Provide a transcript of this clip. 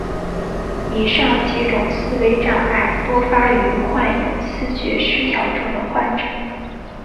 以上几种思维障碍多发于患有思觉失调症的患者。